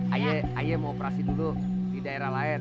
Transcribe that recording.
ayo mau operasi dulu di daerah lain